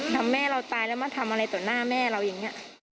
แม่เราตายแล้วมาทำอะไรต่อหน้าแม่เราอย่างนี้